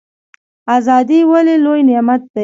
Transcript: ازادي ولې لوی نعمت دی؟